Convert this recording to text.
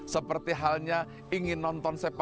seperti halnya ingin nonton sepak bola